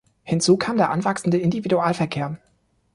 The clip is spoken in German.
Hinzu kam der anwachsende Individualverkehr.